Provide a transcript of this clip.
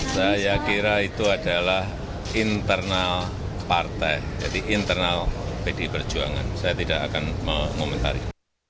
saya kira itu adalah internal partai jadi internal pdi perjuangan saya tidak akan mengomentari